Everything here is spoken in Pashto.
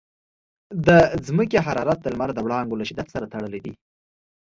د ځمکې حرارت د لمر د وړانګو له شدت سره تړلی دی.